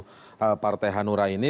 untuk partai hanura ini